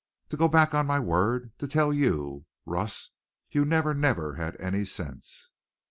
To go back on my word! To tell you. Russ, you never, never had any sense!"